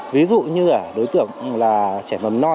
ví dụ như đối tượng là trẻ mầm non